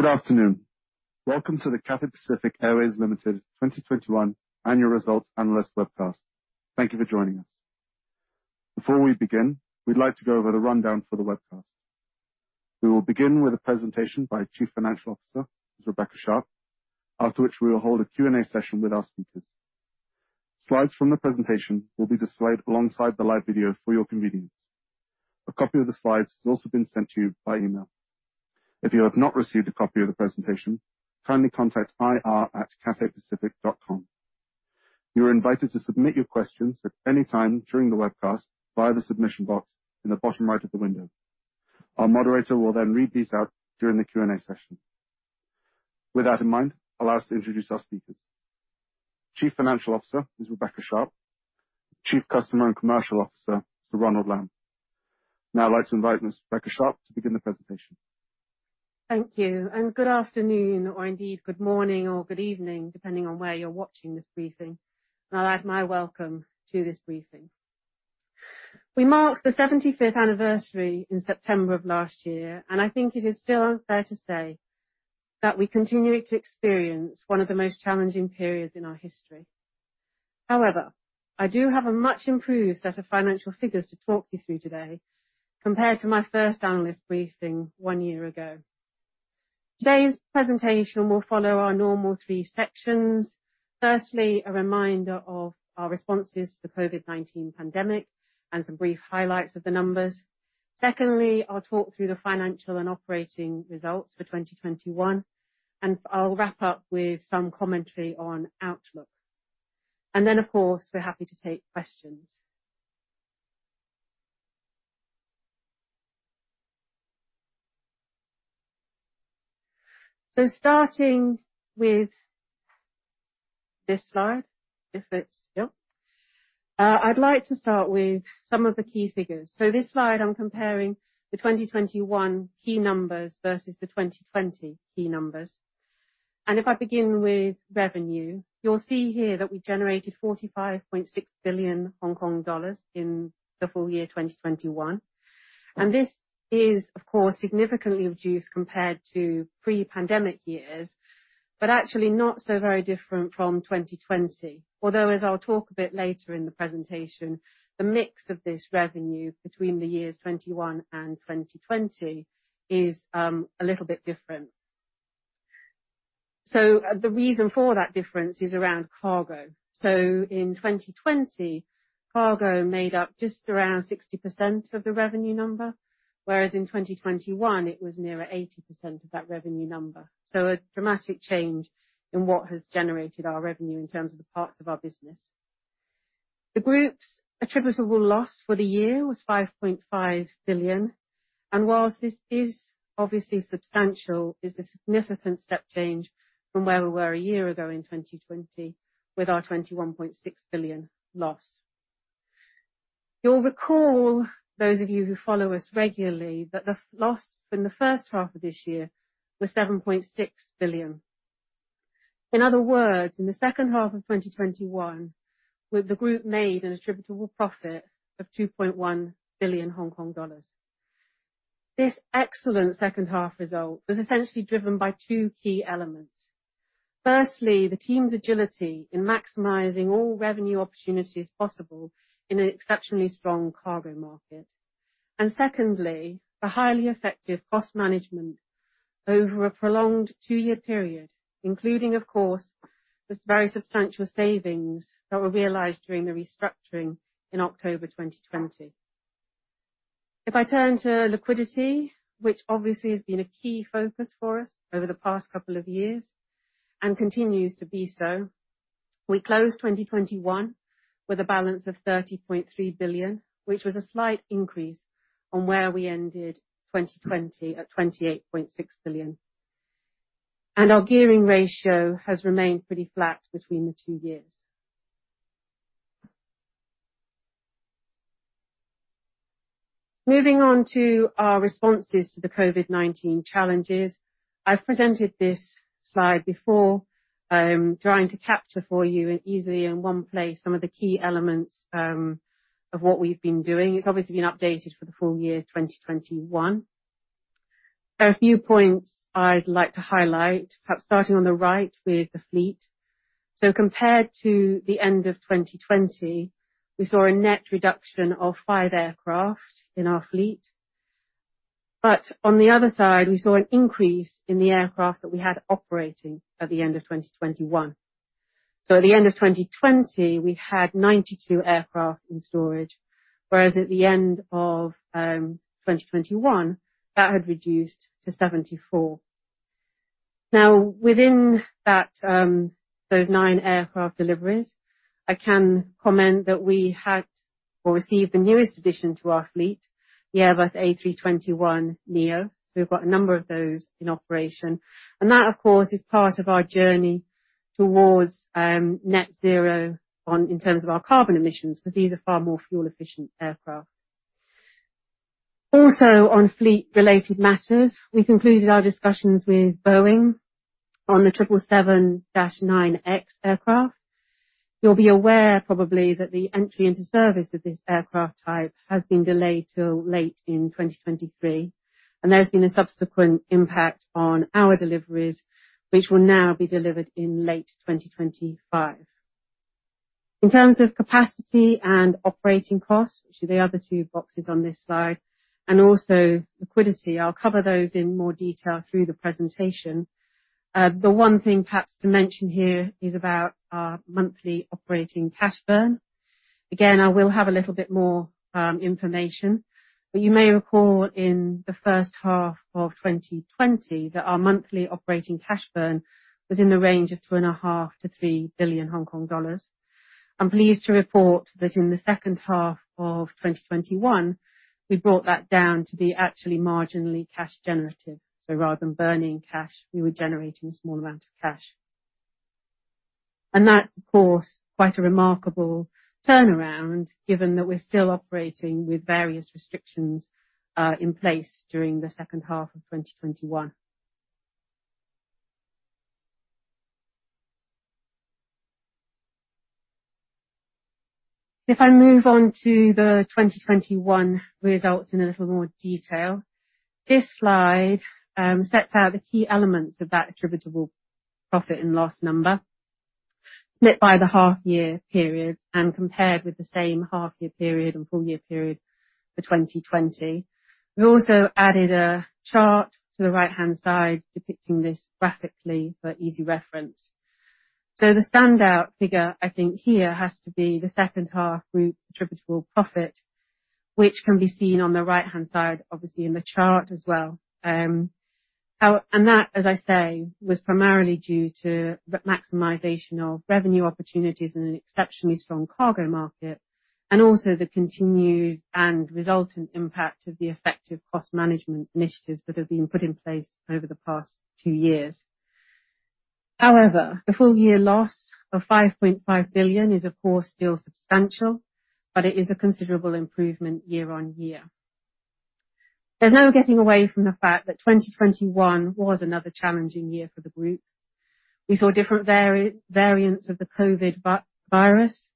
Good afternoon. Welcome to the Cathay Pacific Airways Limited 2021 annual results analyst webcast. Thank you for joining us. Before we begin, we'd like to go over the rundown for the webcast. We will begin with a presentation by Chief Financial Officer, Ms. Rebecca Sharpe, after which we will hold a Q&A session with our speakers. Slides from the presentation will be displayed alongside the live video for your convenience. A copy of the slides has also been sent to you by email. If you have not received a copy of the presentation, kindly contact ir@cathaypacific.com. You are invited to submit your questions at any time during the webcast via the submission box in the bottom right of the window. Our Moderator will then read these out during the Q&A session. With that in mind, allow us to introduce our speakers: Chief Financial Officer is Rebecca Sharpe, Chief Customer and Commercial Officer is Sir Ronald Lam. Now I'd like to invite Ms. Rebecca Sharpe to begin the presentation. Thank you and good afternoon, or indeed, good morning or good evening, depending on where you're watching this briefing. I'd like my welcome to this briefing. We marked the 75th anniversary in September of last year, and I think it is still fair to say that we continue to experience one of the most challenging periods in our history. However, I do have a much-improved set of financial figures to talk you through today compared to my first analyst briefing one year ago. Today's presentation will follow our normal three sections. Firstly, a reminder of our responses to the COVID-19 pandemic and some brief highlights of the numbers. Secondly, I'll talk through the financial and operating results for 2021, and I'll wrap up with some commentary on outlook. Of course, we're happy to take questions. Starting with this slide. I'd like to start with some of the key figures. This slide, I'm comparing the 2021 key numbers versus the 2020 key numbers. If I begin with revenue, you'll see here that we generated 45.6 billion Hong Kong dollars in the full year 2021. This is, of course, significantly reduced compared to pre-pandemic years, but actually not so very different from 2020. Although, as I'll talk a bit later in the presentation, the mix of this revenue between the years 2021 and 2020 is a little bit different. The reason for that difference is around Cargo. In 2020, Cargo made up just around 60% of the revenue number, whereas in 2021, it was nearer 80% of that revenue number. A dramatic change in what has generated our revenue in terms of the parts of our business. The group's attributable loss for the year was 5.5 billion. Whilst this is obviously substantial, it's a significant step change from where we were a year ago in 2020 with our 21.6 billion loss. You'll recall, those of you who follow us regularly, that the loss in the first half of this year was 7.6 billion. In other words, in the second half of 2021, the group made an attributable profit of 2.1 billion Hong Kong dollars. This excellent second half result was essentially driven by two key elements. Firstly, the team's agility in maximizing all revenue opportunities possible in an exceptionally strong cargo market. Secondly, the highly effective cost management over a prolonged two-year period, including, of course, the very substantial savings that were realized during the restructuring in October 2020. If I turn to liquidity, which obviously has been a key focus for us over the past couple of years and continues to be so, we closed 2021 with a balance of 30.3 billion, which was a slight increase on where we ended 2020 at 28.6 billion. Our gearing ratio has remained pretty flat between the two years. Moving on to our responses to the COVID-19 challenges. I've presented this slide before, trying to capture for you easily in one place, some of the key elements of what we've been doing. It's obviously been updated for the full year, 2021. There are a few points I'd like to highlight, perhaps starting on the right with the fleet. Compared to the end of 2020, we saw a net reduction of five aircraft in our fleet. On the other side, we saw an increase in the aircraft that we had operating at the end of 2021. At the end of 2020, we had 92 aircraft in storage, whereas at the end of 2021, that had reduced to 74. Now, within that, those nine aircraft deliveries, I can comment that we had or received the newest addition to our fleet, the Airbus A321neo. We've got a number of those in operation. That, of course, is part of our journey towards net zero in terms of our carbon emissions, because these are far more fuel-efficient aircraft. Also, on fleet-related matters, we concluded our discussions with Boeing on the 777-9X aircraft. You'll be aware probably that the entry into service of this aircraft type has been delayed till late in 2023, and there's been a subsequent impact on our deliveries, which will now be delivered in late 2025. In terms of capacity and operating costs, which are the other two boxes on this slide, and also liquidity, I'll cover those in more detail through the presentation. The one thing perhaps to mention here is about our monthly operating cash burn. Again, I will have a little bit more information, but you may recall in the first half of 2020 that our monthly operating cash burn was in the range of 2.5 billion-3 billion Hong Kong dollars. I'm pleased to report that in the second half of 2021; we brought that down to be actually marginally cash generative. Rather than burning cash, we were generating a small amount of cash. That's, of course, quite a remarkable turnaround, given that we're still operating with various restrictions in place during the second half of 2021. If I move on to the 2021 results in a little more detail. This slide sets out the key elements of that attributable profit and loss number, split by the half year period and compared with the same half year period and full year period for 2020. We also added a chart to the right-hand side depicting this graphically for easy reference. The standout figure, I think here, has to be the second half group attributable profit, which can be seen on the right-hand side, obviously in the chart as well. That, as I say, was primarily due to the maximization of revenue opportunities in an exceptionally strong cargo market, and also the continued and resultant impact of the effective cost management initiatives that have been put in place over the past two years. However, the full year loss of 5.5 billion is of course still substantial, but it is a considerable improvement year-on-year. There's no getting away from the fact that 2021 was another challenging year for the group. We saw different variants of the COVID virus.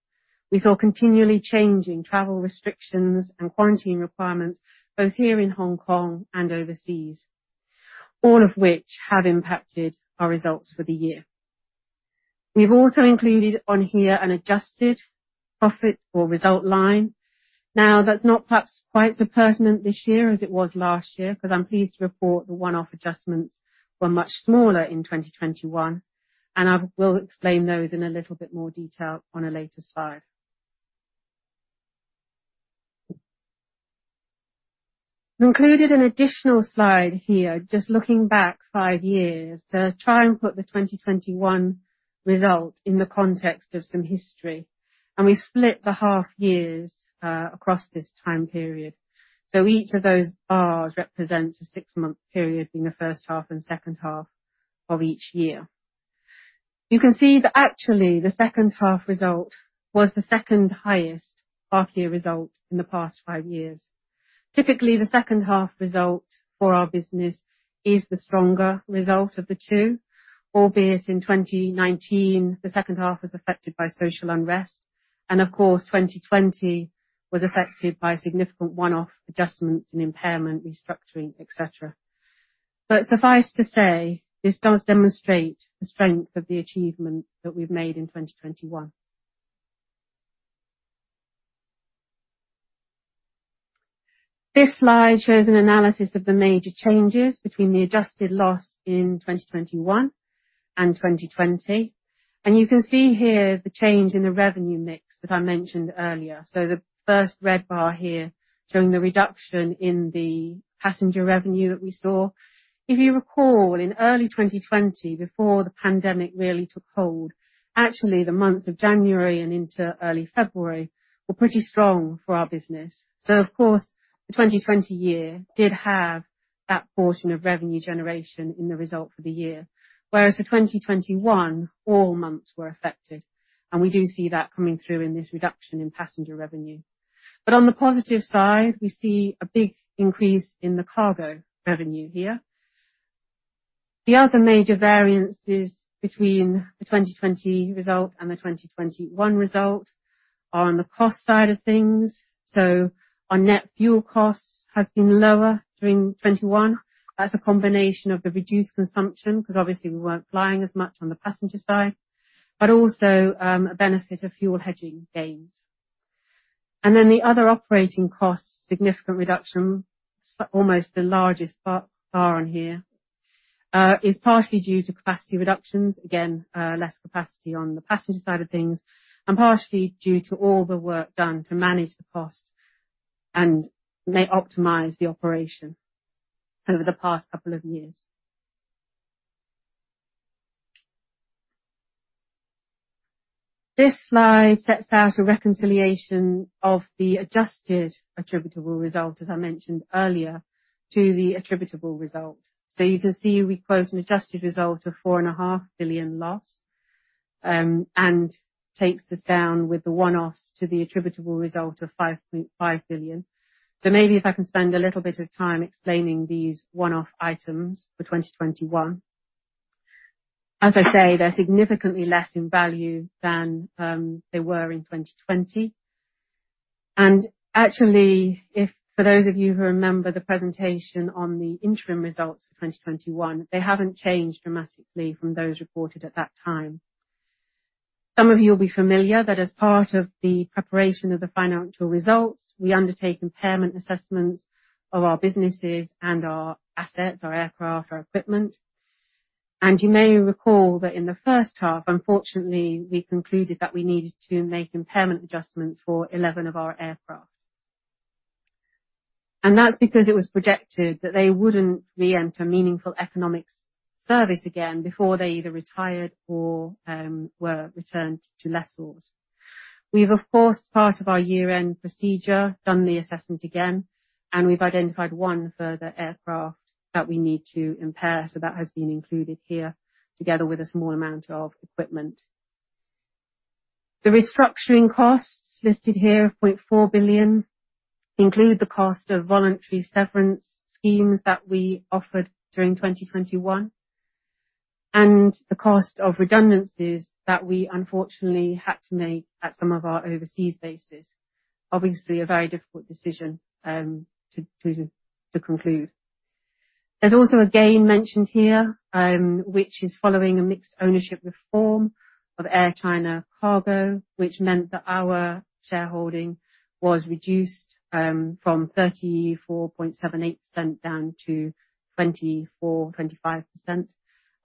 We saw continually changing travel restrictions and quarantine requirements, both here in Hong Kong and overseas. All of which have impacted our results for the year. We've also included on here an adjusted profit or result line. Now, that's not perhaps quite so pertinent this year as it was last year, 'cause I'm pleased to report the one-off adjustments were much smaller in 2021, and we'll explain those in a little bit more detail on a later slide. We included an additional slide here, just looking back five years to try and put the 2021 result in the context of some history, and we split the half years across this time period. Each of those bars represents a six-month period in the first half and second half of each year. You can see that actually the second half result was the second highest half year result in the past five years. Typically, the second half result for our business is the stronger result of the two, albeit in 2019, the second half was affected by social unrest, and of course, 2020 was affected by significant one-off adjustments and impairment restructuring, et cetera. Suffice to say, this does demonstrate the strength of the achievement that we've made in 2021. This slide shows an analysis of the major changes between the adjusted loss in 2021 and 2020. You can see here the change in the revenue mix that I mentioned earlier, the first red bar here showing the reduction in the passenger revenue that we saw. If you recall, in early 2020, before the pandemic really took hold, actually the months of January and into early February were pretty strong for our business. Of course, the 2020 year did have that portion of revenue generation in the result for the year. Whereas for 2021, all months were affected, and we do see that coming through in this reduction in passenger revenue. On the positive side, we see a big increase in the cargo revenue here. The other major variances between the 2020 result and the 2021 result are on the cost side of things. Our net fuel cost has been lower during 2021. That's a combination of the reduced consumption, 'cause obviously we weren't flying as much on the passenger side, but also a benefit of fuel hedging gains. The other operating costs, significant reduction, almost the largest bar in here, is partially due to capacity reductions. Again, less capacity on the passenger side of things, and partially due to all the work done to manage the cost and optimize the operation over the past couple of years. This slide sets out a reconciliation of the adjusted attributable result, as I mentioned earlier, to the attributable result. You can see we quote an adjusted result of four and a half billion loss, and takes us down with the one-offs to the attributable result of 5.5 billion. Maybe if I can spend a little bit of time explaining these one-off items for 2021. As I say, they're significantly less in value than they were in 2020. Actually, if for those of you who remember the presentation on the interim results for 2021, they haven't changed dramatically from those reported at that time. Some of you will be familiar that as part of the preparation of the financial results, we undertake impairment assessments of our businesses and our assets, our aircraft, our equipment. You may recall that in the first half, unfortunately, we concluded that we needed to make impairment adjustments for 11 of our aircraft. That's because it was projected that they wouldn't re-enter meaningful economic service again before they either retired or were returned to lessors. We have, of course, part of our year-end procedure, done the assessment again, and we've identified one further aircraft that we need to impair, so that has been included here, together with a small amount of equipment. The restructuring costs listed here of 0.4 billion include the cost of voluntary severance schemes that we offered during 2021, and the cost of redundancies that we unfortunately had to make at some of our overseas bases. Obviously, a very difficult decision to conclude. There's also a gain mentioned here, which is following a mixed ownership reform of Air China Cargo, which meant that our shareholding was reduced, from 34.78% down to 24%-25%,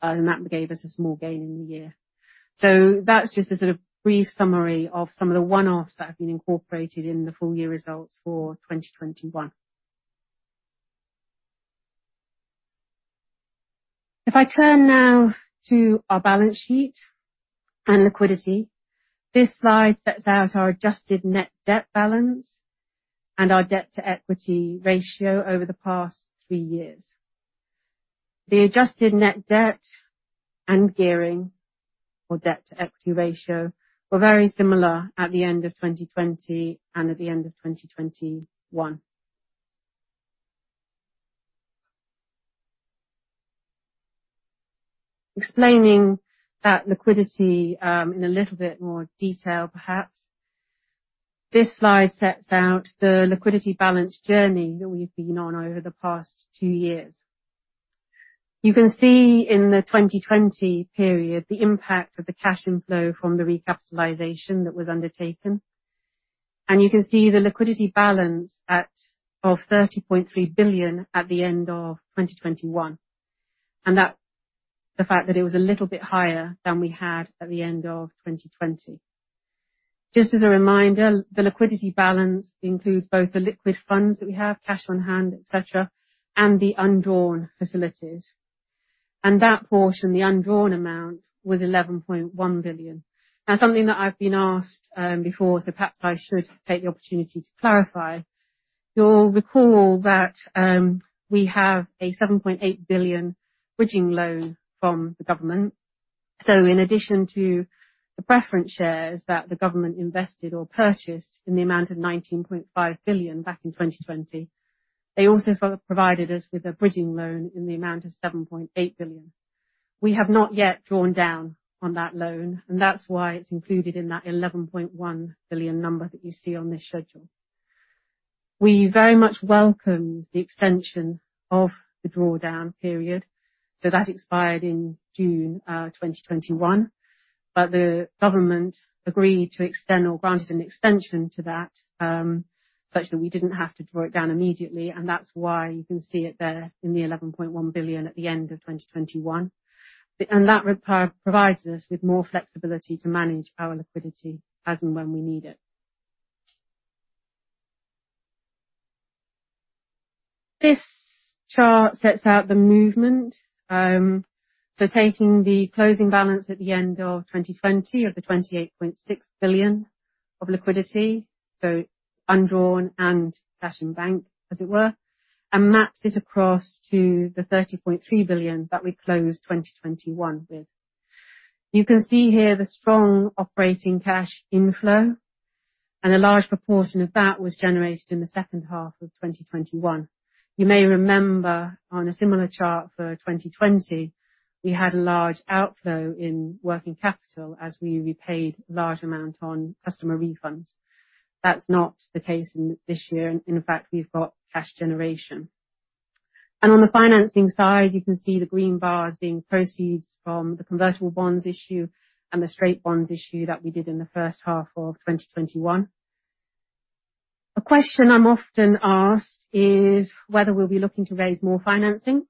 and that gave us a small gain in the year. That's just a sort of brief summary of some of the one-offs that have been incorporated in the full year results for 2021. If I turn now to our balance sheet and liquidity, this slide sets out our adjusted net debt balance and our debt/equity ratio over the past three years. The adjusted net debt and gearing or debt/equity ratio were very similar at the end of 2020 and at the end of 2021. Explaining that liquidity in a little bit more detail perhaps, this slide sets out the liquidity balance journey that we've been on over the past two years. You can see in the 2020 period the impact of the cash inflow from the recapitalization that was undertaken, and you can see the liquidity balance of 30.3 billion at the end of 2021, and that the fact that it was a little bit higher than we had at the end of 2020. Just as a reminder, the liquidity balance includes both the liquid funds that we have, cash on hand, et cetera, and the undrawn facilities. That portion, the undrawn amount, was 11.1 billion. Now, something that I've been asked before, so perhaps I should take the opportunity to clarify. You'll recall that we have a 7.8 billion bridging loan from the government. In addition to the preference shares that the government invested or purchased in the amount of 19.5 billion back in 2020, they also provided us with a bridging loan in the amount of 7.8 billion. We have not yet drawn down on that loan, and that's why it's included in that 11.1 billion number that you see on this schedule. We very much welcome the extension of the drawdown period, so that expired in June 2021. The government agreed to extend or granted an extension to that, such that we didn't have to draw it down immediately, and that's why you can see it there in the 11.1 billion at the end of 2021. That provides us with more flexibility to manage our liquidity as and when we need it. This chart sets out the movement, taking the closing balance at the end of 2020 of the 28.6 billion of liquidity, so undrawn and cash in bank, as it were, and maps it across to the 30.3 billion that we closed 2021 with. You can see here the strong operating cash inflow and a large proportion of that was generated in the second half of 2021. You may remember on a similar chart for 2020; we had a large outflow in working capital as we repaid large amount on customer refunds. That's not the case in this year, in fact, we've got cash generation. On the financing side, you can see the green bars being proceeds from the convertible bonds issue and the straight bonds issue that we did in the first half of 2021. A question I'm often asked is whether we'll be looking to raise more financing.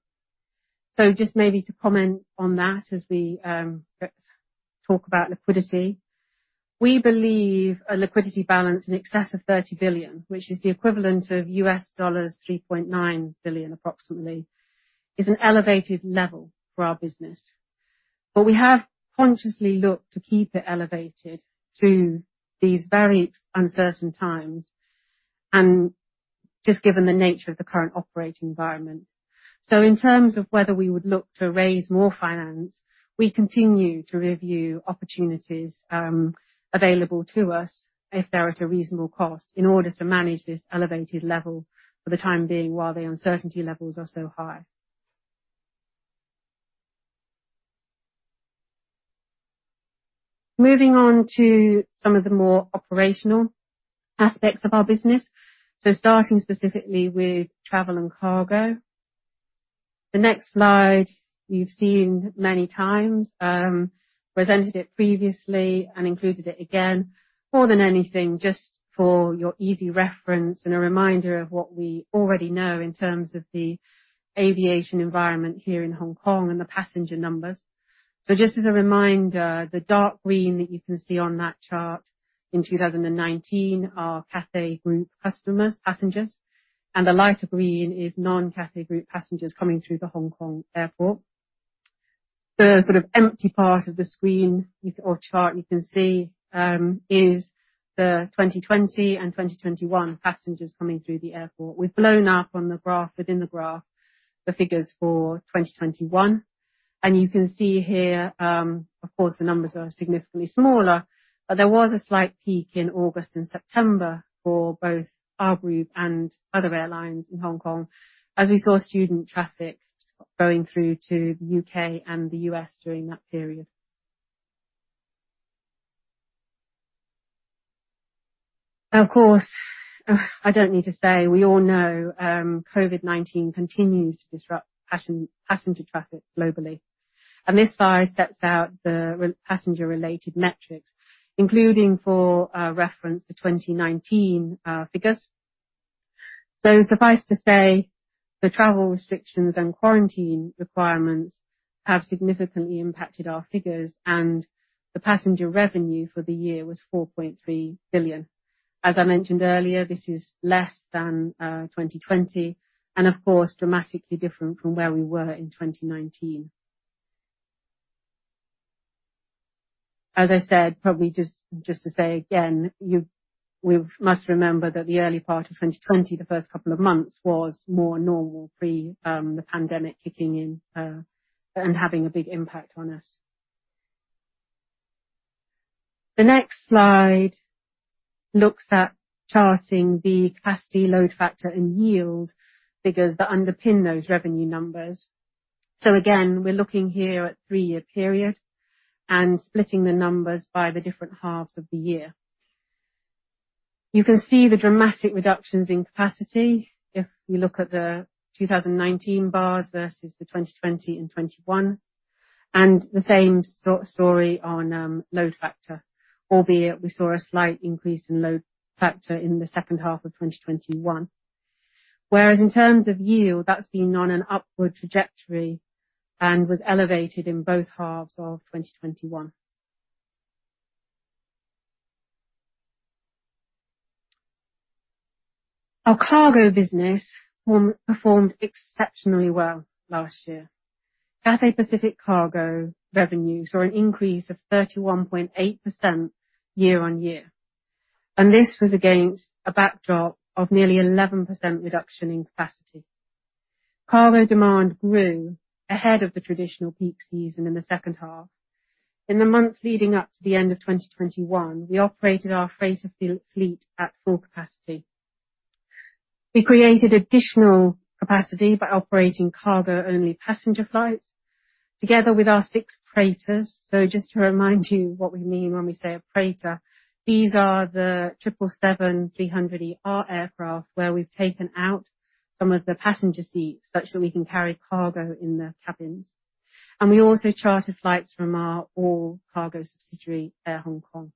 Just maybe to comment on that as we talk about liquidity. We believe a liquidity balance in excess of 30 billion, which is the equivalent of $3.9 billion approximately, is an elevated level for our business. We have consciously looked to keep it elevated through these very uncertain times, and just given the nature of the current operating environment. In terms of whether we would look to raise more finance, we continue to review opportunities available to us if they're at a reasonable cost in order to manage this elevated level for the time being while the uncertainty levels are so high. Moving on to some of the more operational aspects of our business. Starting specifically with travel and cargo. The next slide, you've seen many times, presented it previously and included it again, more than anything, just for your easy reference and a reminder of what we already know in terms of the aviation environment here in Hong Kong and the passenger numbers. Just as a reminder, the dark green that you can see on that chart in 2019 are Cathay Group customers, passengers, and the lighter green is non-Cathay Group passengers coming through the Hong Kong airport. The sort of empty part of the screen or chart you can see is the 2020 and 2021 passengers coming through the airport. We've blown up on the graph within the graph, the figures for 2021. You can see here, of course, the numbers are significantly smaller, but there was a slight peak in August and September for both our group and other airlines in Hong Kong as we saw student traffic going through to the U.K. and the U.S. during that period. Now, of course, I don't need to say, we all know, COVID-19 continues to disrupt passenger traffic globally. This slide sets out the passenger-related metrics, including for reference the 2019 figures. Suffice to say, the travel restrictions and quarantine requirements have significantly impacted our figures, and the passenger revenue for the year was 4.3 billion. As I mentioned earlier, this is less than 2020, and of course, dramatically different from where we were in 2019. As I said, probably just to say again, we must remember that the early part of 2020, the first couple of months was more normal pre-pandemic kicking in, and having a big impact on us. The next slide looks at charting the capacity load factor and yield figures that underpin those revenue numbers. We're looking here at three-year period and splitting the numbers by the different halves of the year. You can see the dramatic reductions in capacity if we look at the 2019 bars versus the 2020 and 2021, and the same story on load factor, albeit we saw a slight increase in load factor in the second half of 2021. Whereas in terms of yield, that's been on an upward trajectory and was elevated in both halves of 2021. Our Cargo business performed exceptionally well last year. Cathay Pacific Cargo revenues saw an increase of 31.8% year-over-year, and this was against a backdrop of nearly 11% reduction in capacity. Cargo demand grew ahead of the traditional peak season in the second half. In the months leading up to the end of 2021, we operated our freighter fleet at full capacity. We created additional capacity by operating cargo-only passenger flights together with our six freighters. Just to remind you what we mean when we say a freighter, these are the 777-300ER aircraft where we've taken out some of the passenger seats such that we can carry cargo in the cabins. We also chartered flights from our all-cargo subsidiary, Air Hong Kong.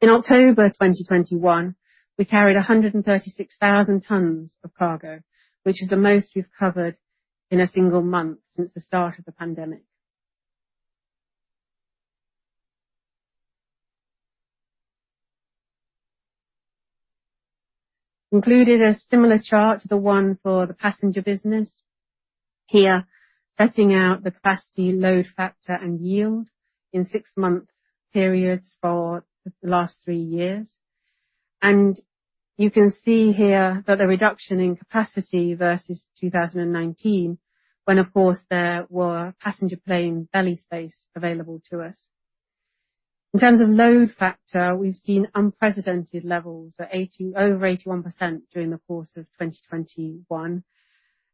In October 2021, we carried 136,000 tons of cargo, which is the most we've carried in a single month since the start of the pandemic. Included a similar chart to the one for the passenger business. Here, setting out the capacity load factor and yield in six-month periods for the last three years. You can see here that the reduction in capacity versus 2019, when of course there were passenger plane belly space available to us. In terms of load factor, we've seen unprecedented levels at over 81% during the course of 2021,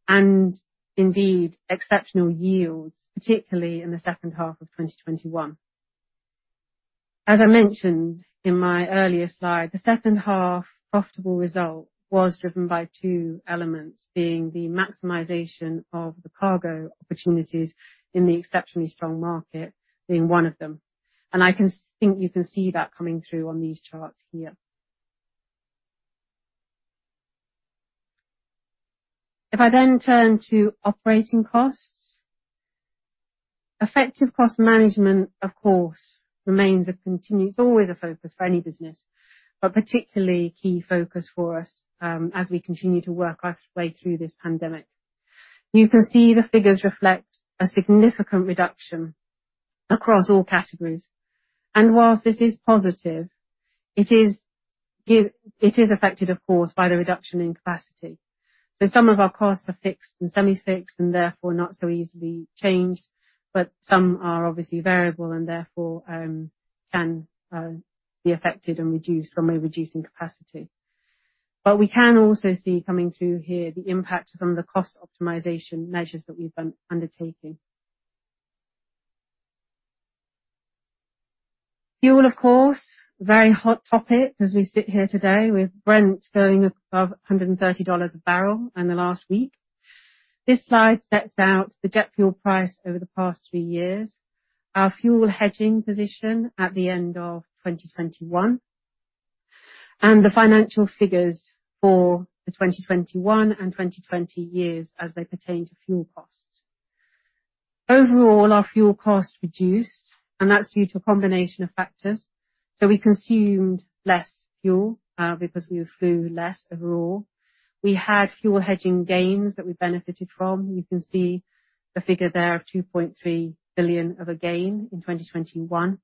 and indeed exceptional yields, particularly in the second half of 2021. As I mentioned in my earlier slide, the second half profitable result was driven by two elements, being the maximization of the cargo opportunities in the exceptionally strong market being one of them. I think you can see that coming through on these charts here. If I, then turn to operating costs. Effective cost management, of course, it's always a focus for any business, but particularly key focus for us, as we continue to work our way through this pandemic. You can see the figures reflect a significant reduction across all categories. While this is positive, it is affected, of course, by the reduction in capacity. Some of our costs are fixed and semi-fixed, and therefore, not so easily changed, but some are obviously variable, and therefore, can be affected and reduced from a reducing capacity. We can also see coming through here the impact from the cost optimization measures that we've been undertaking. Fuel, of course, very hot topic as we sit here today with Brent going above $130 a barrel in the last week. This slide sets out the jet fuel price over the past three years, our fuel hedging position at the end of 2021, and the financial figures for the 2021 and 2020 years as they pertain to fuel costs. Overall, our fuel costs reduced, and that's due to a combination of factors. We consumed less fuel because we flew less overall. We had fuel hedging gains that we benefited from. You can see the figure there of 2.3 billion of a gain in 2021.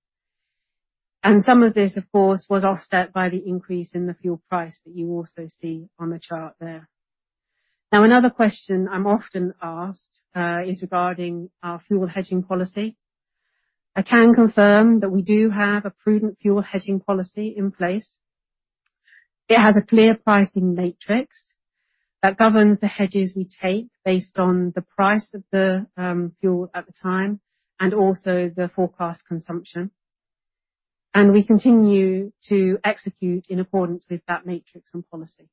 Some of this, of course, was offset by the increase in the fuel price that you also see on the chart there. Now another question I'm often asked is regarding our fuel hedging policy. I can confirm that we do have a prudent fuel hedging policy in place. It has a clear pricing matrix that governs the hedges we take based on the price of the fuel at the time and also the forecast consumption. We continue to execute in accordance with that matrix and policy.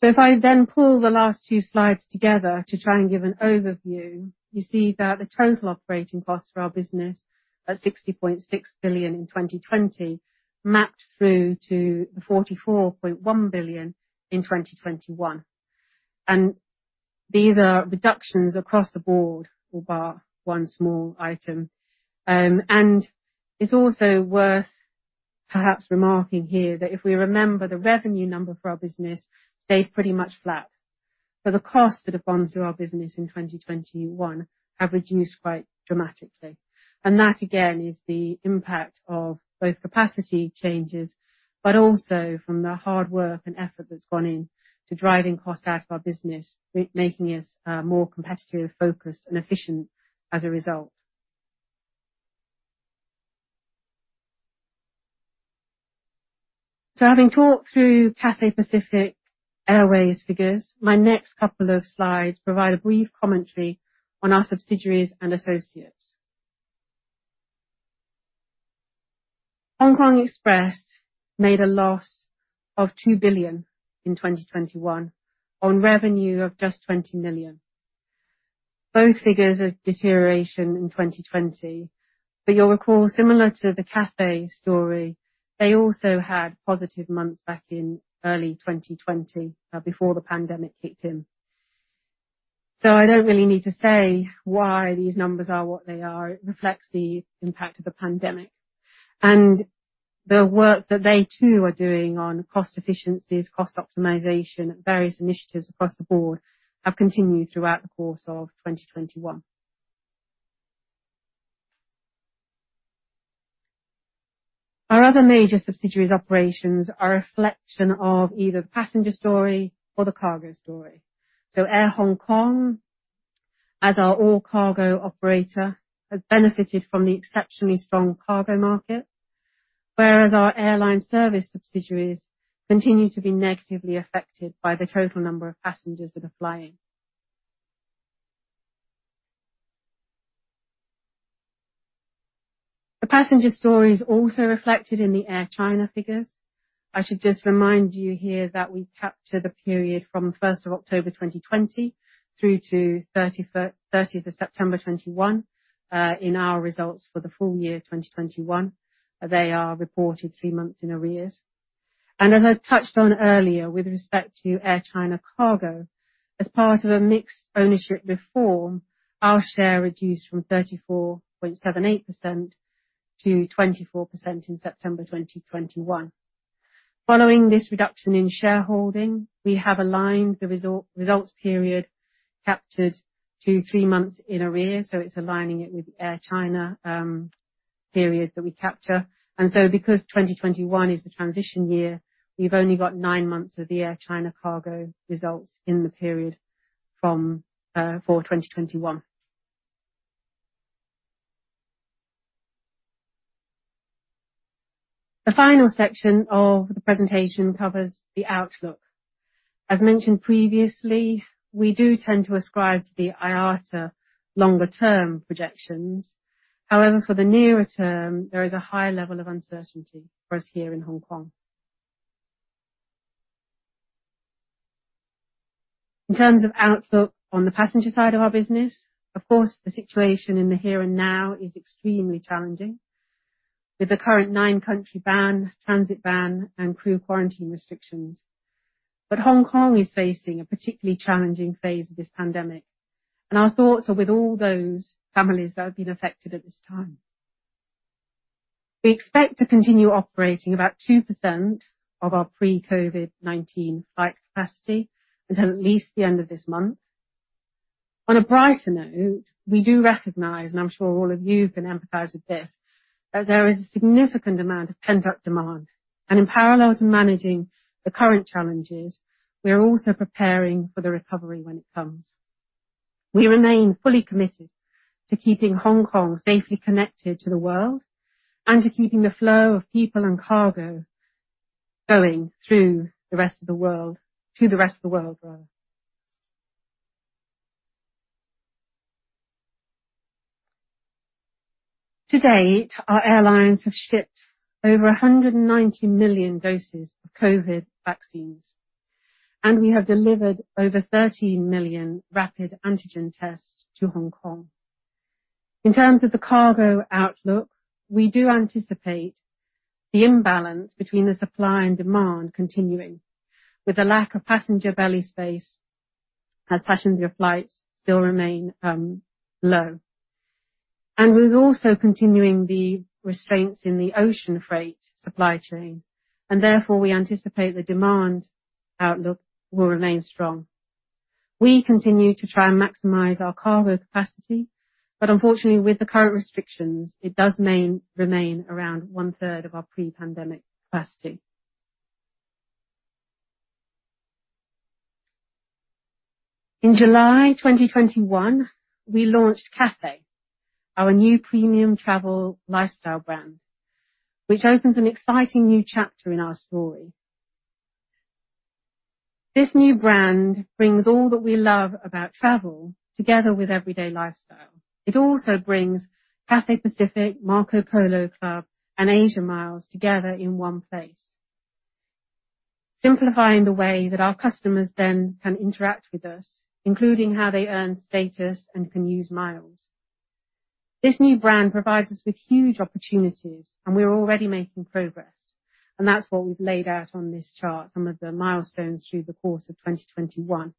If I then pull the last two slides together to try and give an overview, you see that the total operating costs for our business at 60.6 billion in 2020 mapped through to 44.1 billion in 2021. These are reductions across the board, bar one small item. It's also worth perhaps remarking here that if we remember the revenue number for our business stayed pretty much flat. The costs that have gone through our business in 2021 have reduced quite dramatically. That, again, is the impact of both capacity changes, but also from the hard work and effort that's gone in to driving costs out of our business, making us more competitively focused and efficient as a result. Having talked through Cathay Pacific Airways figures, my next couple of slides provide a brief commentary on our subsidiaries and associates. Hong Kong Express made a loss of 2 billion in 2021 on revenue of just 20 million. Both figures a deterioration in 2020. You'll recall, similar to the Cathay story, they also had positive months back in early 2020 before the pandemic kicked in. I don't really need to say why these numbers are what they are. It reflects the impact of the pandemic. The work that they, too, are doing on cost efficiencies, cost optimization, various initiatives across the board have continued throughout the course of 2021. Our other major subsidiaries operations are a reflection of either the passenger story or the cargo story. Air Hong Kong, as our all-cargo operator, have benefited from the exceptionally strong cargo market, whereas our airline service subsidiaries continue to be negatively affected by the total number of passengers that are flying. The passenger story is also reflected in the Air China figures. I should just remind you here that we capture the period from first of October 2020 through to thirtieth of September 2021 in our results for the full year 2021. They are reported three months in arrears. As I touched on earlier, with respect to Air China Cargo, as part of a mixed ownership reform, our share reduced from 34.78% to 24% in September 2021. Following this reduction in shareholding, we have aligned the results period captured to three months in arrears, so it's aligning it with Air China period that we capture. Because 2021 is the transition year, we've only got nine months of the Air China Cargo results in the period for 2021. The final section of the presentation covers the outlook. As mentioned previously, we do tend to ascribe to the IATA longer term projections. However, for the nearer term, there is a higher level of uncertainty for us here in Hong Kong. In terms of outlook on the passenger side of our business, of course, the situation in the here and now is extremely challenging with the current nine-country ban, transit ban, and crew quarantine restrictions. Hong Kong is facing a particularly challenging phase of this pandemic, and our thoughts are with all those families that have been affected at this time. We expect to continue operating about 2% of our pre-COVID-19 flight capacity until at least the end of this month. On a brighter note, we do recognize, and I'm sure all of you can empathize with this, that there is a significant amount of pent-up demand, and in parallel in managing the current challenges, we are also preparing for the recovery when it comes. We remain fully committed to keeping Hong Kong safely connected to the world and to keeping the flow of people and cargo going to the rest of the world. To date, our airlines have shipped over 190 million doses of COVID vaccines, and we have delivered over 13 million rapid antigen tests to Hong Kong. In terms of the cargo outlook, we do anticipate the imbalance between the supply and demand continuing with the lack of passenger belly space as passenger flights still remain low. With also continuing the restraints in the ocean freight supply chain, and therefore, we anticipate the demand outlook will remain strong. We continue to try and maximize our cargo capacity, but unfortunately, with the current restrictions, it does remain around 1/3 of our pre-pandemic capacity. In July 2021, we launched Cathay, our new premium travel lifestyle brand, which opens an exciting new chapter in our story. This new brand brings all that we love about travel together with everyday lifestyle. It also brings Cathay Pacific, Marco Polo Club, and Asia Miles together in one place, simplifying the way that our customers then can interact with us, including how they earn status and can use miles. This new brand provides us with huge opportunities, and we're already making progress, and that's what we've laid out on this chart, some of the milestones through the course of 2021.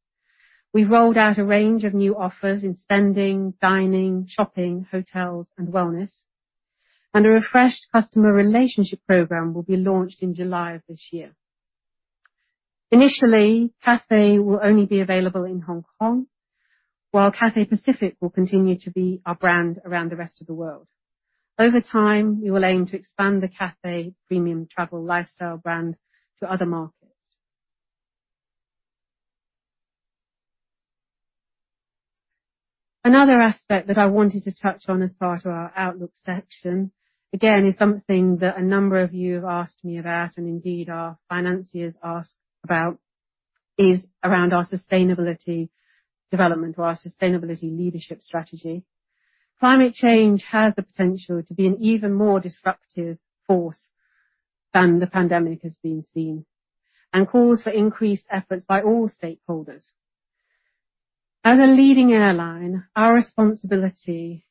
We've rolled out a range of new offers in spending, dining, shopping, hotels and wellness, and a refreshed customer relationship program will be launched in July of this year. Initially, Cathay will only be available in Hong Kong, while Cathay Pacific will continue to be our brand around the rest of the world. Over time, we will aim to expand the Cathay premium travel lifestyle brand to other markets. Another aspect that I wanted to touch on as part of our outlook section, again, is something that a number of you have asked me about, and indeed our financiers ask about, is around our sustainable development or our sustainability leadership strategy. Climate change has the potential to be an even more disruptive force than the pandemic has been seen, and calls for increased efforts by all stakeholders. As a leading airline, our responsibility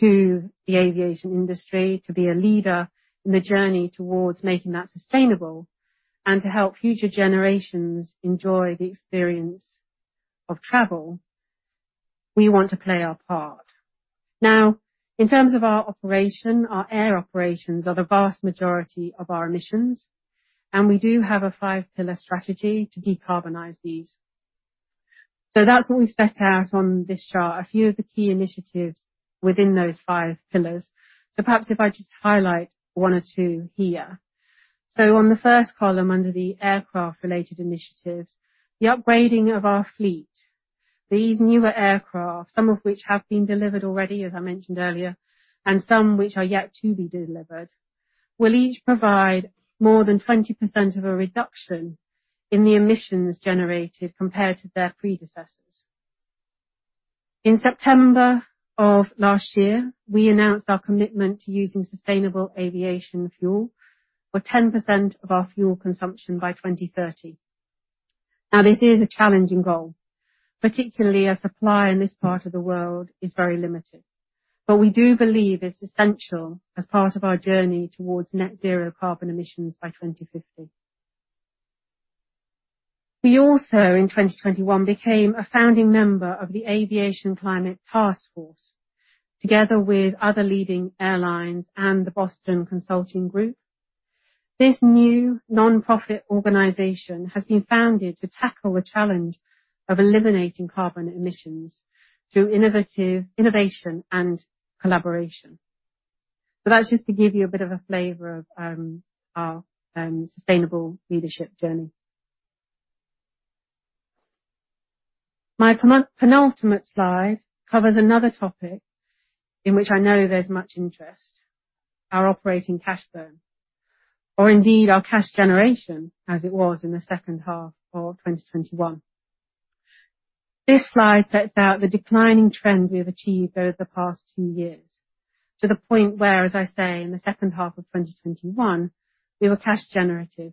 to the aviation industry to be a leader in the journey towards making that sustainable and to help future generations enjoy the experience of travel, we want to play our part. Now, in terms of our operation, our air operations are the vast majority of our emissions, and we do have a five-pillar strategy to decarbonize these. That's what we've set out on this chart, a few of the key initiatives within those five pillars. Perhaps if I just highlight one or two here. On the first column, under the aircraft related initiatives, the upgrading of our fleet. These newer aircraft, some of which have been delivered already, as I mentioned earlier, and some which are yet to be delivered, will each provide more than 20% of a reduction in the emissions generated compared to their predecessors. In September of last year, we announced our commitment to using sustainable aviation fuel for 10% of our fuel consumption by 2030. Now, this is a challenging goal, particularly as supply in this part of the world is very limited. We do believe it's essential as part of our journey towards net zero carbon emissions by 2050. We also, in 2021, became a founding member of the Aviation Climate Taskforce, together with other leading airlines and the Boston Consulting Group. This new nonprofit organization has been founded to tackle the challenge of eliminating carbon emissions through innovation and collaboration. That's just to give you a bit of a flavor of our sustainable leadership journey. My penultimate slide covers another topic in which I know there's much interest, our operating cash burn. Indeed, our cash generation, as it was in the second half of 2021. This slide sets out the declining trend we have achieved over the past two years to the point where, as I say, in the second half of 2021, we were cash generative.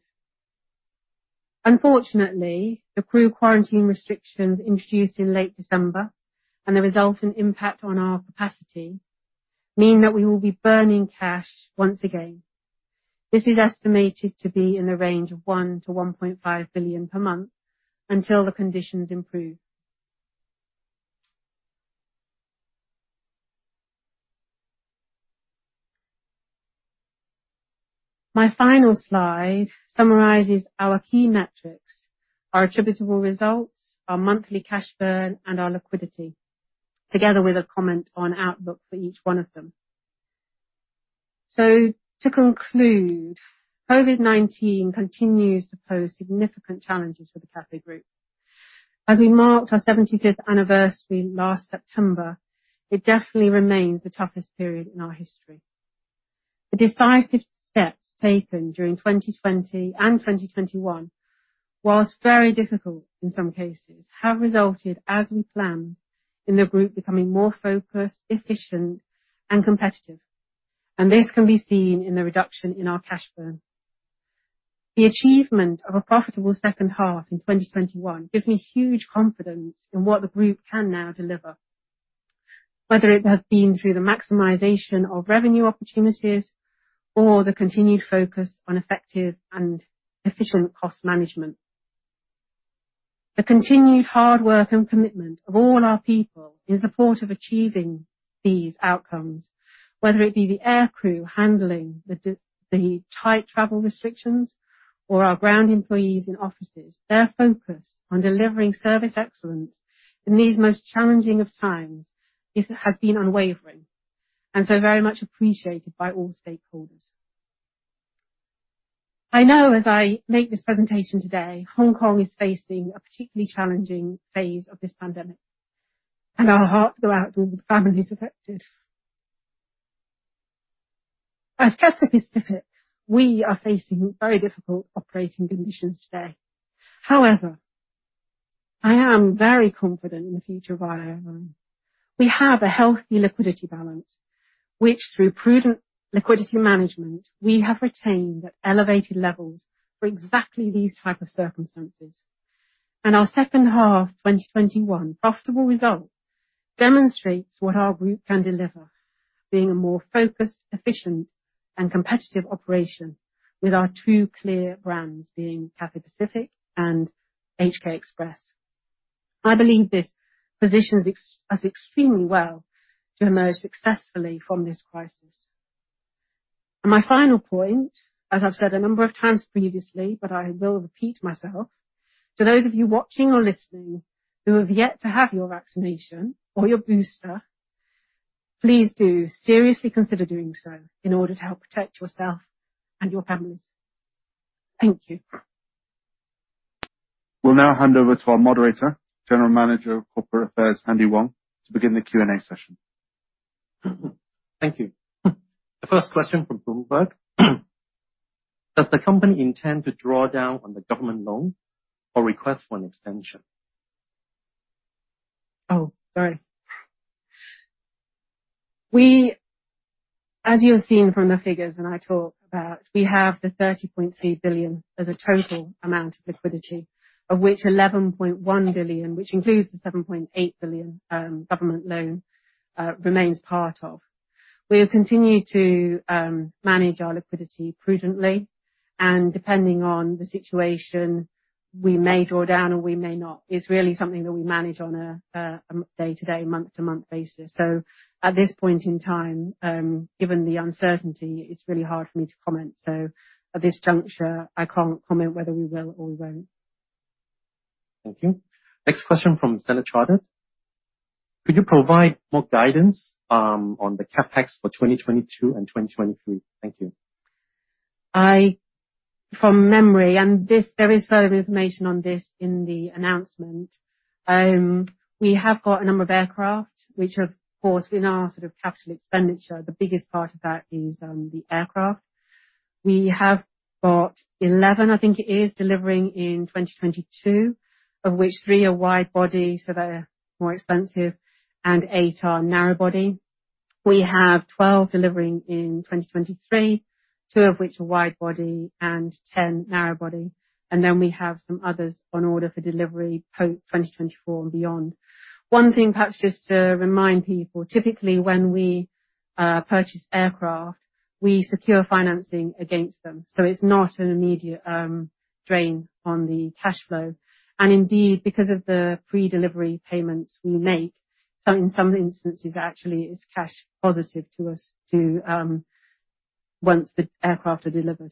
Unfortunately, the crew quarantine restrictions introduced in late December and the resultant impact on our capacity mean that we will be burning cash once again. This is estimated to be in the range of 1 billion-1.5 billion per month until the conditions improve. My final slide summarizes our key metrics, our attributable results, our monthly cash burn, and our liquidity, together with a comment on outlook for each one of them. To conclude, COVID-19 continues to pose significant challenges for the Cathay Group. As we marked our 75th anniversary last September, it definitely remains the toughest period in our history. The decisive steps taken during 2020 and 2021, while very difficult in some cases, have resulted, as we planned, in the group becoming more focused, efficient, and competitive. This can be seen in the reduction in our cash burn. The achievement of a profitable second half in 2021 gives me huge confidence in what the group can now deliver, whether it has been through the maximization of revenue opportunities or the continued focus on effective and efficient cost management. The continued hard work and commitment of all our people in support of achieving these outcomes, whether it be the air crew handling the tight travel restrictions or our ground employees in offices, their focus on delivering service excellence in these most challenging of times is, has been unwavering and so very much appreciated by all stakeholders. I know as I make this presentation today, Hong Kong is facing a particularly challenging phase of this pandemic, and our hearts go out to all the families affected. As Cathay Pacific, we are facing very difficult operating conditions today. However, I am very confident in the future of our airline. We have a healthy liquidity balance, which, through prudent liquidity management, we have retained at elevated levels for exactly these type of circumstances. Our second half 2021 profitable result demonstrates what our group can deliver, being a more focused, efficient, and competitive operation with our two clear brands being Cathay Pacific and HK Express. I believe this positions us extremely well to emerge successfully from this crisis. My final point, as I've said a number of times previously, but I will repeat myself, to those of you watching or listening who have yet to have your vaccination or your booster, please do seriously consider doing so in order to help protect yourself and your families. Thank you. We'll now hand over to our Moderator, General Manager of Corporate Affairs, Andy Wong, to begin the Q&A session. Thank you. The first question from Bloomberg. Does the company intend to draw down on the government loan or request for an extension? Oh, sorry. We, as you have seen from the figures, we have the 30.3 billion as a total amount of liquidity, of which 11.1 billion, which includes the 7.8 billion government loan, remains part of. We'll continue to manage our liquidity prudently, and depending on the situation, we may draw down, or we may not. It's really something that we manage on a day-to-day, month-to-month basis. At this point in time, given the uncertainty, it's really hard for me to comment. At this juncture, I can't comment whether we will or we won't. Thank you. Next question from Standard Chartered. Could you provide more guidance on the CapEx for 2022 and 2023? Thank you. From memory, there is further information on this in the announcement, we have got a number of aircraft, which of course in our sort of capital expenditure, the biggest part of that is, the aircraft. We have got 11, I think it is, delivering in 2022, of which three are wide body, so they're more expensive, and eight are narrow body. We have 12 delivering in 2023, two of which are wide body and 10 narrow body. We have some others on order for delivery post-2024 and beyond. One thing perhaps just to remind people, typically when we purchase aircraft, we secure financing against them, so it's not an immediate drain on the cash flow. Indeed, because of the pre-delivery payments we make, in some instances actually it's cash positive to us once the aircraft are delivered.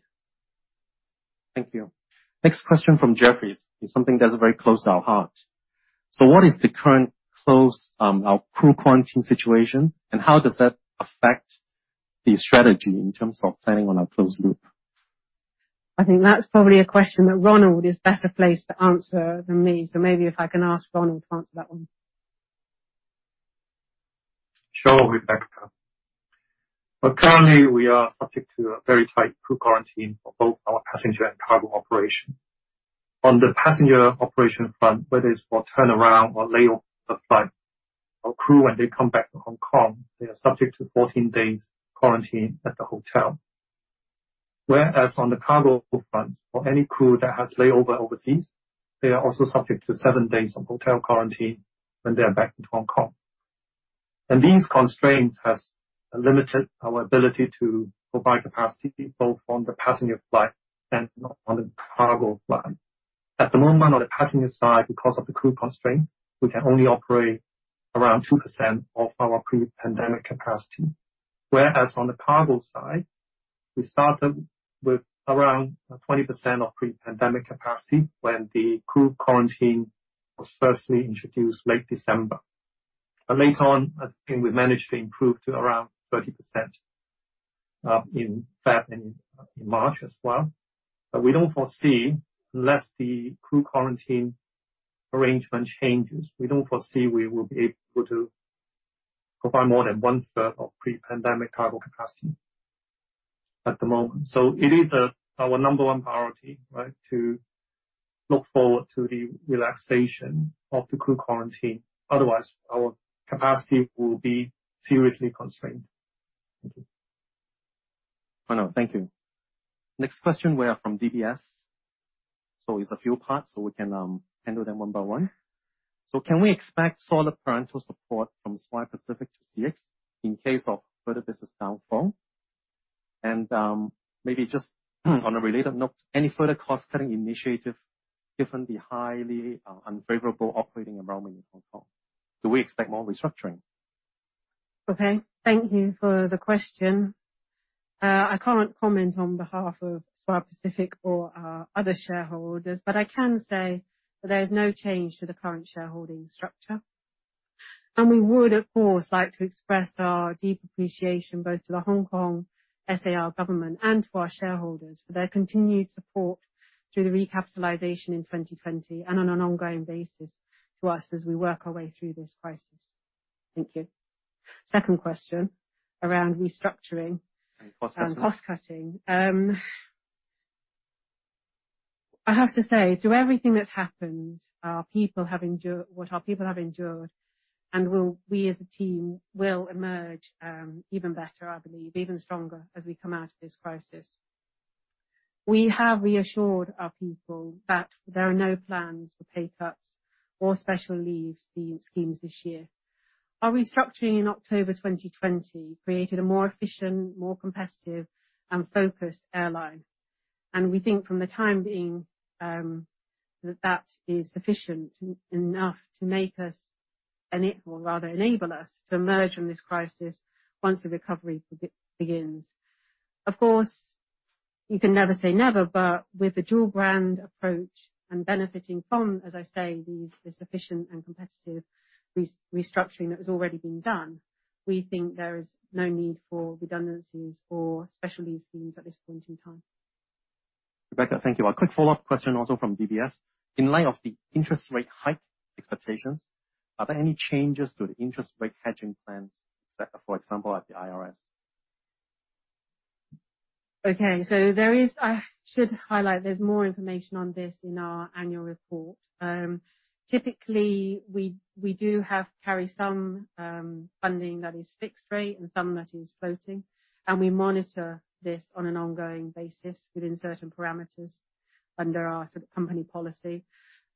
Thank you. Next question from Jefferies. It's something that's very close to our heart. What is the current crew quarantine situation, and how does that affect the strategy in terms of planning on our closed loop? I think that's probably a question that Ronald is better placed to answer than me. Maybe if I can ask Ronald to answer that one. Sure, Rebecca. Well, currently we are subject to a very tight crew quarantine for both our passenger and cargo operation. On the passenger operation front, whether it's for turnaround or layover the flight, our crew, when they come back to Hong Kong, they are subject to 14 days quarantine at the hotel. Whereas on the cargo front or any crew that has layover overseas, they are also subject to seven days of hotel quarantine when they are back in Hong Kong. These constraints has limited our ability to provide capacity both on the passenger flight and on the cargo flight. At the moment, on the passenger side, because of the crew constraint, we can only operate around 2% of our pre-pandemic capacity. Whereas on the Cargo side, we started with around 20% of pre-pandemic capacity when the crew quarantine was firstly introduced late December. Later on, I think we managed to improve to around 30% in February and in March as well. We don't foresee, unless the crew quarantine arrangement changes, we don't foresee we will be able to provide more than 1/3 of pre-pandemic cargo capacity at the moment. It is our number one priority, right, to look forward to the relaxation of the crew quarantine. Otherwise, our capacity will be seriously constrained. Thank you. Oh, no. Thank you. Next question, we are from DBS. It's a few parts, so we can handle them one by one. Can we expect solid financial support from Swire Pacific to CX in case of further business downfall? And, maybe just on a related note, any further cost-cutting initiative, given the highly unfavorable operating environment in Hong Kong. Do we expect more restructuring? Okay. Thank you for the question. I can't comment on behalf of Swire Pacific or our other shareholders, but I can say that there is no change to the current shareholding structure. We would, of course, like to express our deep appreciation both to the Hong Kong SAR government and to our shareholders for their continued support through the recapitalization in 2020, and on an ongoing basis to us as we work our way through this crisis. Thank you. Second question, around restructuring. Cost cutting. Cost cutting. I have to say, through everything that's happened, what our people have endured, and we as a team will emerge even better, I believe, even stronger as we come out of this crisis. We have reassured our people that there are no plans for pay cuts or special leave schemes this year. Our restructuring in October 2020 created a more efficient, more competitive, and focused airline. We think for the time being that that is sufficient enough to make us, or rather enable us to emerge from this crisis once the recovery begins. Of course, you can never say never, but with the dual brand approach and benefiting from, as I say, this efficient and competitive restructuring that has already been done, we think there is no need for redundancies or special leave schemes at this point in time. Rebecca, thank you. A quick follow-up question also from DBS. In light of the interest rate hike expectations, are there any changes to the interest rate hedging plans, for example, at the IRS? I should highlight there's more information on this in our annual report. Typically, we do have some funding that is fixed rate and some that is floating, and we monitor this on an ongoing basis within certain parameters under our company policy.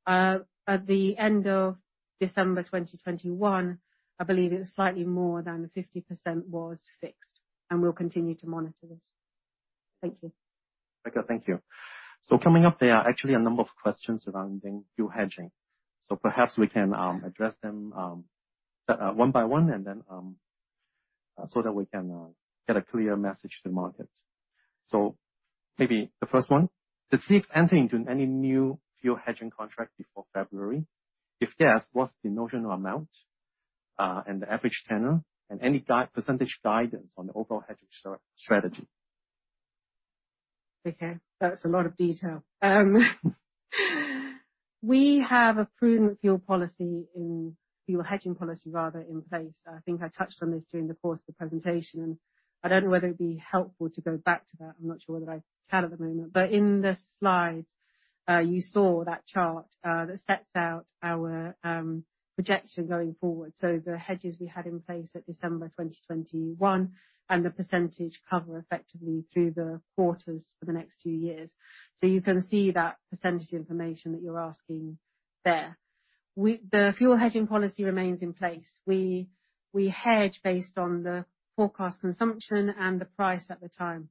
At the end of December 2021, I believe it was slightly more than 50% was fixed, and we'll continue to monitor this. Thank you. Rebecca, thank you. Coming up, there are actually a number of questions surrounding fuel hedging. Perhaps we can address them one by one, and then so that we can get a clear message to market. Maybe the first one. Did CX enter into any new fuel hedging contract before February? If yes, what's the notional amount, and the average tenor, and any guide, percentage guidance on the overall hedging strategy? Okay. That's a lot of detail. We have a prudent fuel hedging policy in place. I think I touched on this during the course of the presentation. I don't know whether it'd be helpful to go back to that. I'm not sure whether I can at the moment. In the slides, you saw that chart that sets out our projection going forward. The hedges we had in place at December 2021 and the percentage cover effectively through the quarters for the next two years. You can see that percentage information that you're asking there. The fuel hedging policy remains in place. We hedge based on the forecast consumption and the price at the time.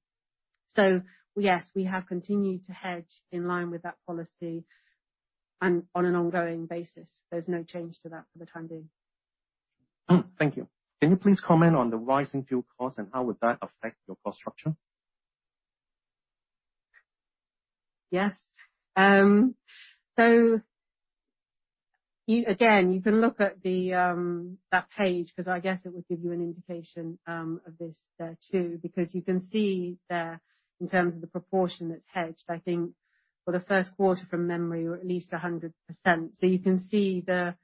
Yes, we have continued to hedge in line with that policy and on an ongoing basis. There's no change to that for the time being. Thank you. Can you please comment on the rising fuel costs and how would that affect your cost structure? Yes. Again, you can look at that page, because I guess it would give you an indication of this there too, because you can see there in terms of the proportion that's hedged, I think for the first quarter from memory or at least 100%. You can see the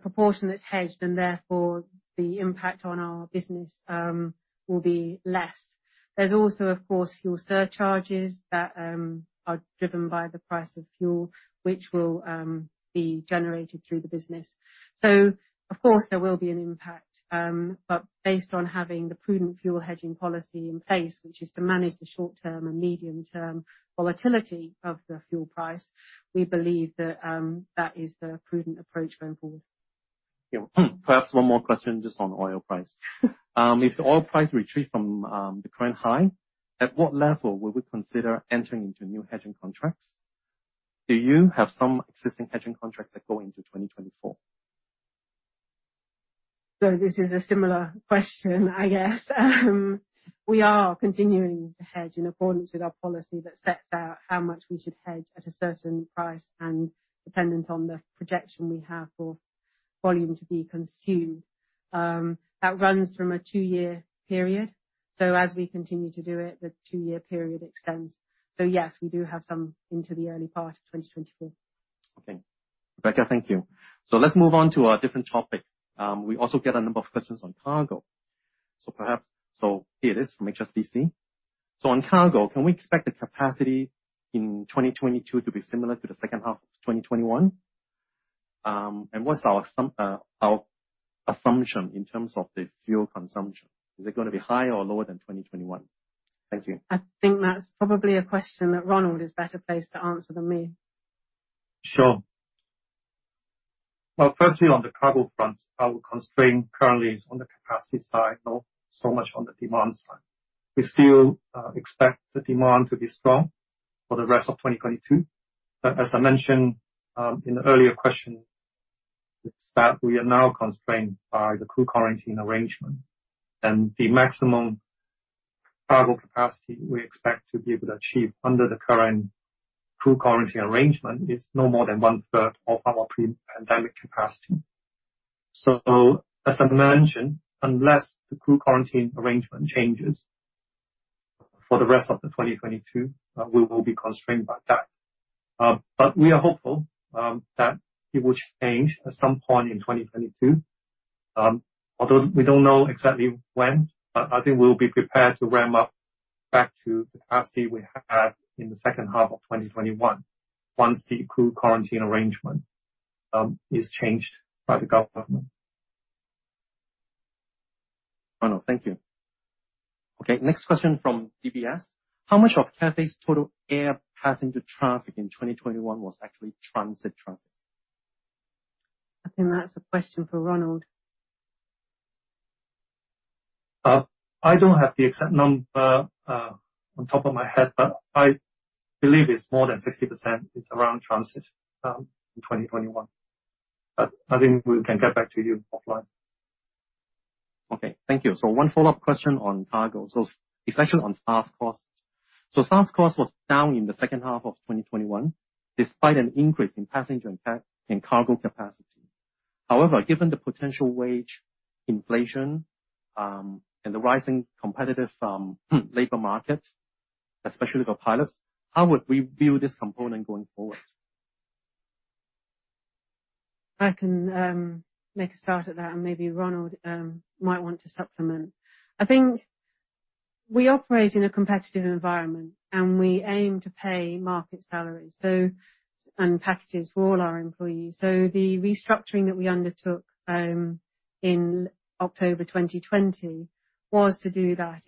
proportion that's hedged and therefore the impact on our business will be less. There's also, of course, fuel surcharges that are driven by the price of fuel, which will be generated through the business. Of course, there will be an impact, but based on having the prudent fuel hedging policy in place, which is to manage the short term and medium-term volatility of the fuel price, we believe that that is the prudent approach going forward. Perhaps one more question just on oil price. If the oil price retreats from the current high, at what level would we consider entering into new hedging contracts? Do you have some existing hedging contracts that go into 2024? This is a similar question, I guess. We are continuing to hedge in accordance with our policy that sets out how much we should hedge at a certain price and dependent on the projection we have for volume to be consumed. That runs from a two-year period. As we continue to do it, the two-year period extends. Yes, we do have some into the early part of 2024. Okay. Rebecca, thank you. Let's move on to a different topic. We also get a number of questions on Cargo. Here it is from HSBC. On Cargo, can we expect the capacity in 2022 to be similar to the second half of 2021? And what's our assumption in terms of the fuel consumption? Is it gonna be higher or lower than 2021? Thank you. I think that's probably a question that Ronald is better placed to answer than me. Sure. Well, firstly, on the cargo front, our constraint currently is on the capacity side, not so much on the demand side. We still expect the demand to be strong for the rest of 2022. As I mentioned in the earlier question, is that we are now constrained by the crew quarantine arrangement. The maximum cargo capacity we expect to be able to achieve under the current crew quarantine arrangement is no more than one-third of our pre-pandemic capacity. As I mentioned, unless the crew quarantine arrangement changes for the rest of 2022, we will be constrained by that. We are hopeful that it will change at some point in 2022, although we don't know exactly when. I think we'll be prepared to ramp up back to capacity we had in the second half of 2021 once the crew quarantine arrangement is changed by the government. Ronald, thank you. Okay. Next question from DBS. How much of Cathay's total air passenger traffic in 2021 was actually transit traffic? I think that's a question for Ronald. I don't have the exact number on top of my head, but I believe it's more than 60% is around transit in 2021. I think we can get back to you offline. Okay. Thank you. One follow-up question on Cargo. It's actually on staff costs. Staff cost was down in the second half of 2021, despite an increase in passenger and cargo capacity. However, given the potential wage inflation and the rising competitive labor market, especially for pilots, how would we view this component going forward? I can make a start at that, and maybe Ronald might want to supplement. I think we operate in a competitive environment, and we aim to pay market salaries and packages for all our employees. The restructuring that we undertook in October 2020 was to do that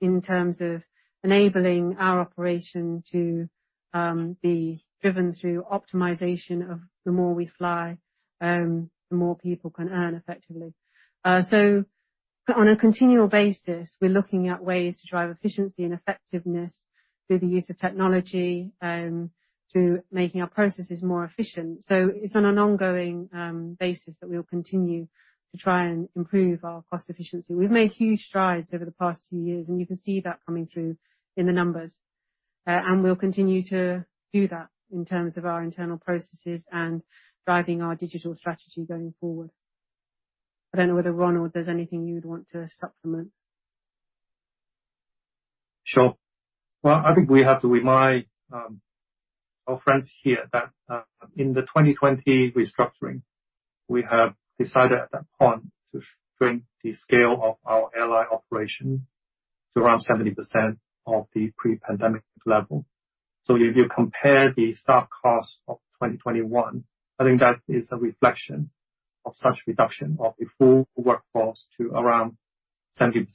in terms of enabling our operation to be driven through optimization of the more we fly, the more people can earn effectively. On a continual basis, we're looking at ways to drive efficiency and effectiveness through the use of technology and through making our processes more efficient. It's on an ongoing basis that we'll continue to try and improve our cost efficiency. We've made huge strides over the past two years, and you can see that coming through in the numbers. We'll continue to do that in terms of our internal processes and driving our digital strategy going forward. I don't know whether, Ronald, there's anything you'd want to supplement. Sure. Well, I think we have to remind our friends here that in the 2020 restructuring we have decided at that point to shrink the scale of our airline operation to around 70% of the pre-pandemic level. If you compare the staff costs of 2021, I think that is a reflection of such reduction of the full workforce to around 70%.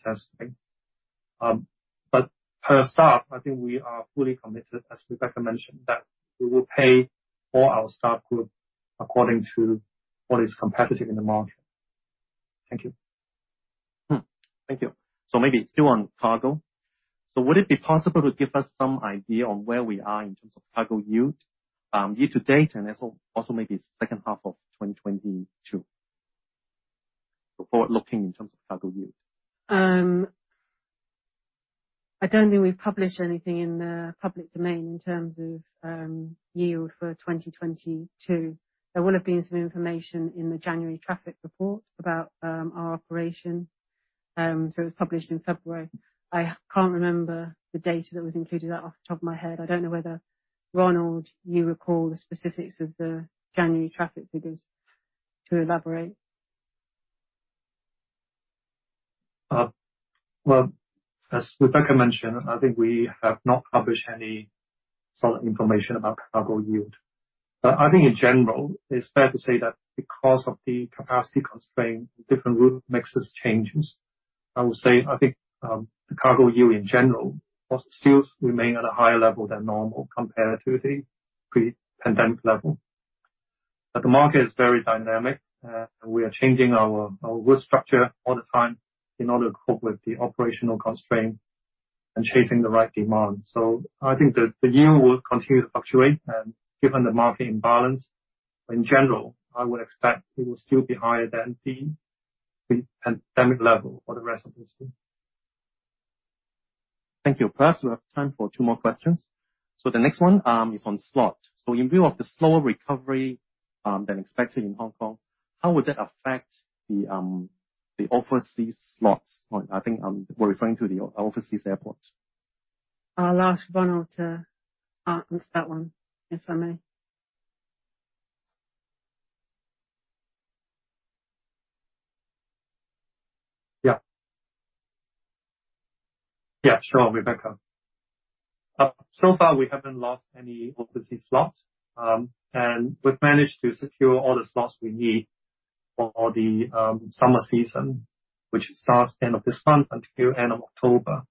Per staff, I think we are fully committed, as Rebecca mentioned, that we will pay all our staff group according to what is competitive in the market. Thank you. Thank you. Maybe still on Cargo. Would it be possible to give us some idea on where we are in terms of cargo yield, year to date, and also maybe second half of 2022? Forward looking in terms of cargo yield. I don't think we've published anything in the public domain in terms of yield for 2022. There will have been some information in the January traffic report about our operation. It was published in February. I can't remember the data that was included off the top of my head. I don't know whether, Ronald, you recall the specifics of the January traffic figures to elaborate. Well, as Rebecca mentioned, I think we have not published any solid information about cargo yield. I think in general, it's fair to say that because of the capacity constraint, different route mixes changes. I would say, I think, the cargo yield in general will still remain at a higher level than normal compared to the pre-pandemic level. The market is very dynamic. We are changing our work structure all the time in order to cope with the operational constraint and chasing the right demand. I think the yield will continue to fluctuate. Given the market imbalance, in general, I would expect it will still be higher than the pre-pandemic level for the rest of this year. Thank you. Plus, we have time for two more questions. The next one is on slot. In view of the slower recovery than expected in Hong Kong, how would that affect the overseas slots? I think we're referring to the overseas airports. I'll ask Ronald to answer that one, if I may. Yeah. Yeah, sure, Rebecca. So far, we haven't lost any overseas slots, and we've managed to secure all the slots we need for the summer season, which starts end of this month until end of October.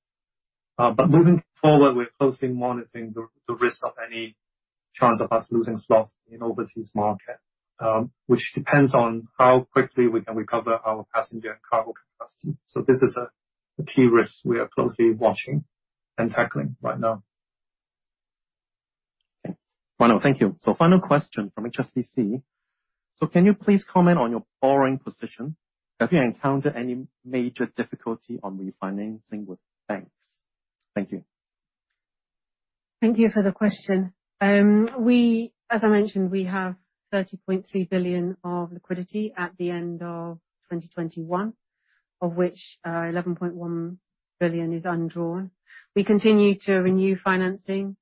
But moving forward, we're closely monitoring the risk of any chance of us losing slots in overseas market, which depends on how quickly we can recover our passenger and cargo capacity. This is a key risk we are closely watching and tackling right now. Okay. Ronald, thank you. Final question from HSBC. Can you please comment on your borrowing position? Have you encountered any major difficulty on refinancing with banks? Thank you. Thank you for the question. As I mentioned, we have 30.3 billion of liquidity at the end of 2021, of which 11.1 billion is undrawn. We continue to renew financing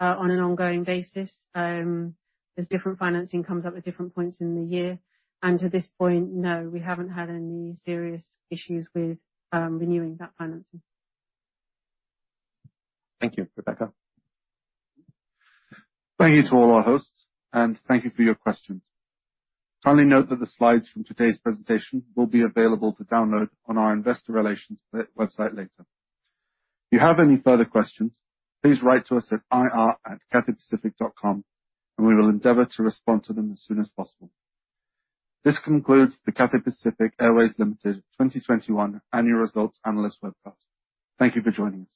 on an ongoing basis as different financing comes up at different points in the year. To this point, no, we haven't had any serious issues with renewing that financing. Thank you, Rebecca. Thank you to all our hosts, and thank you for your questions. Finally, note that the slides from today's presentation will be available to download on our investor relations website later. If you have any further questions, please write to us at ir@cathaypacific.com, and we will endeavor to respond to them as soon as possible. This concludes the Cathay Pacific Airways Limited 2021 annual results analyst webcast. Thank you for joining us.